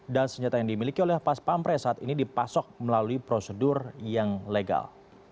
dan senjata yang dimiliki oleh pas pampres saat ini dipasok melalui prosedur yang legal